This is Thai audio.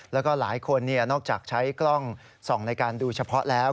แล้วก็หลายคนนอกจากใช้กล้องส่องในการดูเฉพาะแล้ว